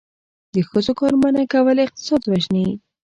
د ښځو کار منع کول اقتصاد وژني.